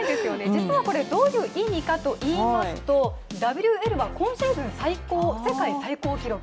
実はこれ、どういう意味かといいますとＷＬは今シーズン最高、世界最高記録。